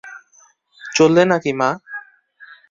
চললে না কি মা?